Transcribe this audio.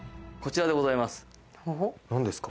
何ですか？